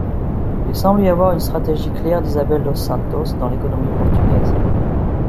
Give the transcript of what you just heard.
Il semble y avoir une stratégie claire d'Isabel dos Santos dans l'économie portugaise.